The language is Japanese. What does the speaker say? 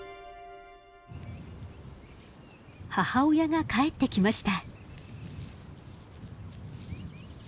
母親が帰ってきました。